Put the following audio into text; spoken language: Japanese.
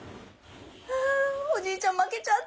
あおじいちゃん負けちゃったの。